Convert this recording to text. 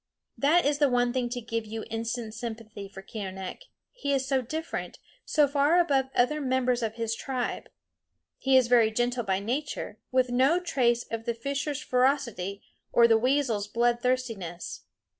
That is one thing to give you instant sympathy for Keeonekh he is so different, so far above all other members of his tribe. He is very gentle by nature, with no trace of the fisher's ferocity or the weasel's bloodthirstiness.